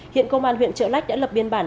hiện công an huyện trợ lách đã lập biên bản